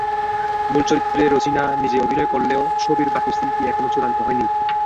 মূল চরিত্রে রোজিনা নিজে অভিনয় করলেও ছবির বাকি শিল্পী এখনো চূড়ান্ত হয়নি।